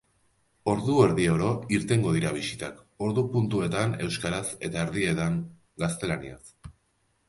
Ordu erdi oro irtengo dira bisitak, ordu puntuetan euskaraz eta erdietan gaztelaniaz.